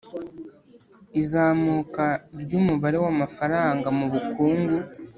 izamuka ry'umubare w'amafaranga mu bukungu